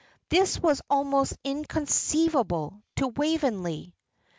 this was almost inconceivable to Waveney.